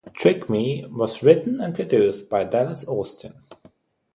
"Trick Me" was written and produced by Dallas Austin.